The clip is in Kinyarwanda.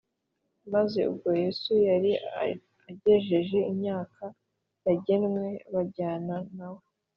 ; maze ubwo Yesu yari agejeje imyaka yagenwe, bajyana nawe.